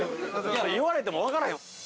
言われても分からへん！